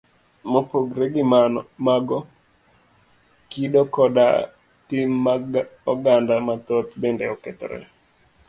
Mopogore gi mago, kido koda tim mag oganda mathoth bende okethore.